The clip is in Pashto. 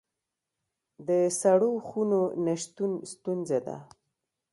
د سړو خونو نشتون ستونزه ده